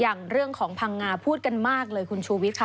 อย่างเรื่องของพังงาพูดกันมากเลยคุณชูวิทย์ค่ะ